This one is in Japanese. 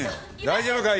大丈夫か？